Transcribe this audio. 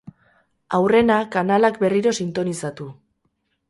Aurrena, kanalak berriro sintonizatu.